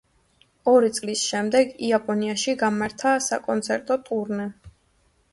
ორი წლის შემდეგ იაპონიაში გამართა საკონცერტო ტურნე.